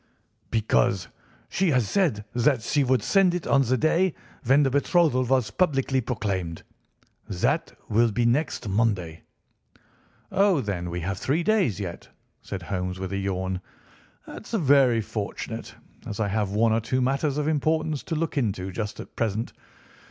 "Because she has said that she would send it on the day when the betrothal was publicly proclaimed. That will be next Monday." "Oh, then we have three days yet," said Holmes with a yawn. "That is very fortunate, as I have one or two matters of importance to look into just at present.